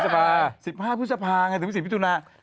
๑๕พฤษภา๑๕พฤษภาถึง๑๕พิจุณา